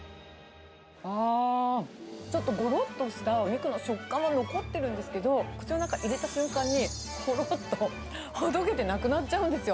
ああ、ちょっとごろっとしたお肉の食感は残ってるんですけど、口の中に入れた瞬間に、ほろっとほどけてなくなっちゃうんですよ。